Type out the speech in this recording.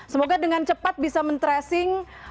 semoga dengan cepat bisa men tracing